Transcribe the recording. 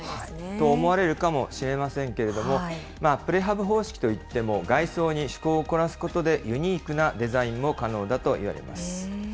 と思われるかもしれませんけれども、プレハブ方式といっても、外装に趣向を凝らすことで、ユニークなデザインも可能だといわれます。